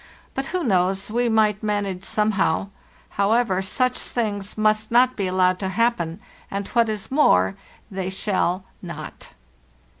But who knows? We might manage somehow. However, such things must not be allowed to happen, and, what is more, they shall not."